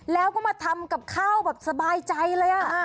แล้วก็มาทำกับข้าวแบบสบายใจเลย